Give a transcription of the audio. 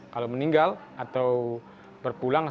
kalau meninggal atau berpulang